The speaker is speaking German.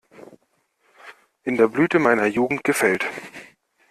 In der Blüte meiner Jugend gefällt.